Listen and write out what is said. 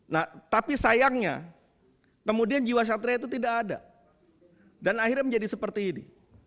nah tapi sayangnya kemudian jiwa satria itu tidak ada dan akhirnya menjadi seperti ini